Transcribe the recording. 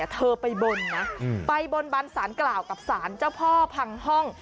เธอไปบนนะไปบนบันสารกล่าวกับสารเจ้าพ่อพังห้อง